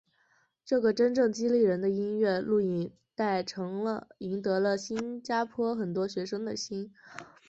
这个真正激励人的音乐录影带赢得了新加坡很多学生的心。